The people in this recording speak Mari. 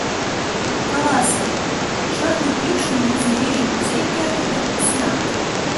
Каласе: шӧртньӧ пӱкшын юзо вийже кузе керде деке кусна?